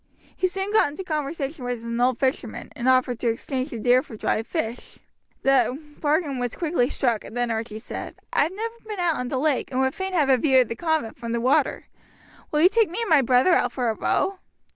He soon got into conversation with an old fisherman, and offered to exchange the deer for dried fish. The bargain was quickly struck, and then Archie said: "I have never been out on the lake, and would fain have a view of the convent from the water. Will you take me and my brother out for a row?"